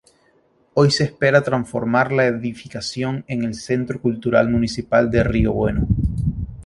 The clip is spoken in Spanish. Hoy se espera transformar la edificación en el Centro cultural municipal de Río Bueno.